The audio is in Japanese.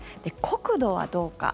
国土はどうか。